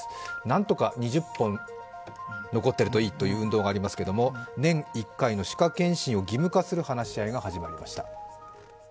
なんとか２０本残っているといいという運動がありますけど年１回の歯科検診を義務化する話し合いが始まりました。